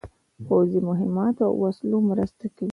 پوځي مهماتو او وسلو مرسته کوي.